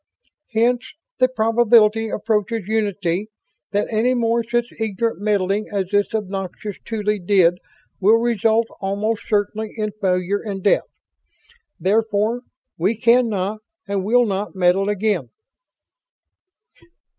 "Hence the probability approaches unity that any more such ignorant meddling as this obnoxious Tuly did well result almost certainly in failure and death. Therefore we can not and will not meddle again."